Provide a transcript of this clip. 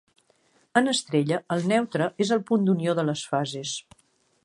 En estrella, el neutre és el punt d'unió de les fases.